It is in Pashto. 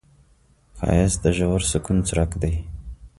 ښایست د ژور سکون څرک دی